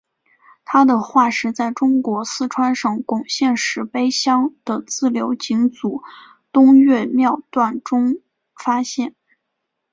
它的化石在中国四川省珙县石碑乡的自流井组东岳庙段中发现。